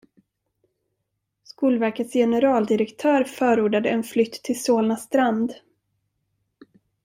Skolverkets generaldirektör förordade en flytt till Solna strand.